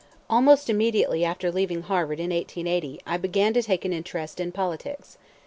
Almost immediately after leaving Harvard in 1880 I began to take an interest in politics.